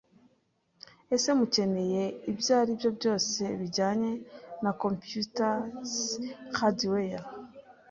Ese mukeneye ibyaribyo byose bijyanye na Computers Hardware